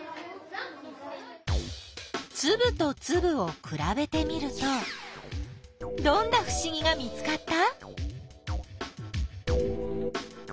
つぶとつぶをくらべてみるとどんなふしぎが見つかった？